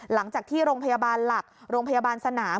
หลังจากที่โรงพยาบาลหลักโรงพยาบาลสนาม